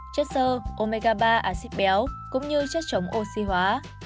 chất sơ omega ba acid béo cũng như chất chống oxy hóa